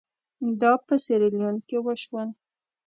دا په سیریلیون کې وشول.